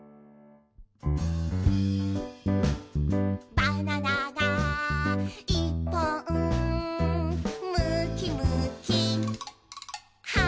「バナナがいっぽん」「むきむきはんぶんこ！」